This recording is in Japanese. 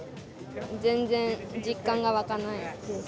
全然実感が湧かないです。